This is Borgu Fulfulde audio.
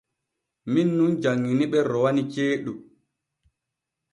Min nun janŋini ɓe rowani ceeɗu.